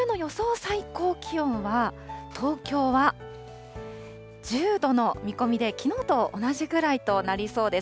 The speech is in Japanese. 最高気温は、東京は１０度の見込みで、きのうと同じぐらいとなりそうです。